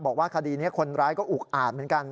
บอกว่าคดีนี้คนร้ายก็อุกอาจเหมือนกัน